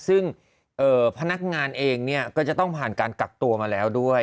ซึ่งพนักงานเองก็จะต้องผ่านการกักตัวมาแล้วด้วย